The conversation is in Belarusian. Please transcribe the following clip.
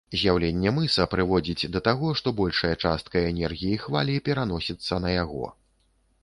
З'яўленне мыса прыводзіць да таго, што большая частка энергіі хвалі пераносіцца на яго.